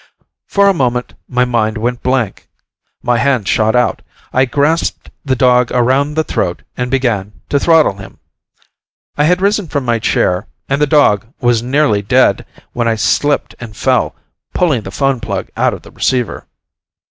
For a moment my mind went blank. My hands shot out. I grasped the dog around the throat and began to throttle him. I had risen from my chair, and the dog was nearly dead, when I slipped and fell, pulling the phone plug out of the receiver.